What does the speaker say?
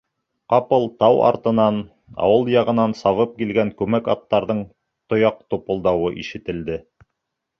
Ҡапыл тау артынан, ауыл яғынан сабып килгән күмәк аттарҙың тояҡ тупылдауы ишетелде.